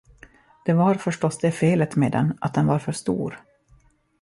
Det var förstås det felet med den, att den var för stor.